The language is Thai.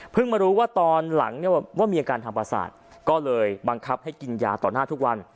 มารู้ว่าตอนหลังเนี่ยว่ามีอาการทางประสาทก็เลยบังคับให้กินยาต่อหน้าทุกวัน